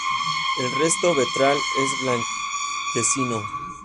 El resto ventral es blanquecino.